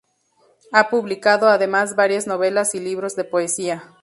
Ha publicado, además, varias novelas y libros de poesía.